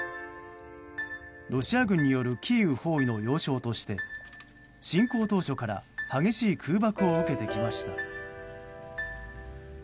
ロシア軍によるキーウ包囲の要衝として侵攻当初から激しい空爆を受けてきました。